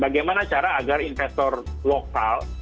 bagaimana cara agar investor lokal